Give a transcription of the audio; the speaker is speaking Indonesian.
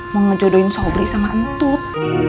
mau ngejodohin sobri sama entut